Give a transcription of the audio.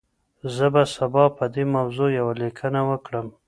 زه به سبا په دې موضوع يوه ليکنه وکړم.